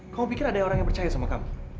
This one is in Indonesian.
kau pikir ada orang yang percaya sama kamu